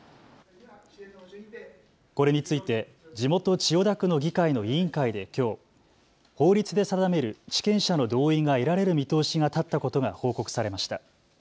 これについて地元千代田区の議会の委員会できょう、法律で定める地権者の同意が得られる見通しが立ったことが報告されました。